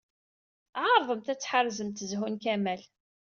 Eɛṛeḍemt ad tḥerzemt zhu n Kamal.